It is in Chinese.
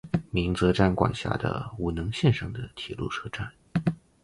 鸣泽站管辖的五能线上的铁路车站。